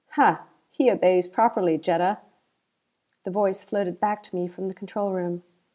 "Hah! He obeys properly, Jetta!" The voice floated back to me from the control room.